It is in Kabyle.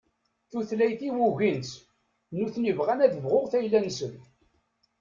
Tutlayt-iw ugin-tt, nutni bɣan ad bɣuɣ tayla-nsen.